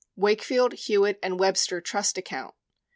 Wakefield, HewittandWebstertrustaccount